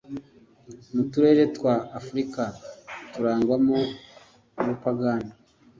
Mu turere twa Afurika turangwamo ubupagani